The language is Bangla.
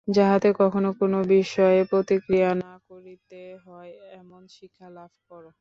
যাহাতে কখনও কোন বিষয়ে প্রতিক্রিয়া না করিতে হয়, এমন শিক্ষা লাভ কর।